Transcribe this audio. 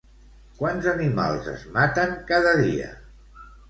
Quants animals és maten cada dia?